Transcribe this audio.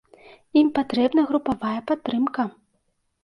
Ім патрэбна групавая падтрымка.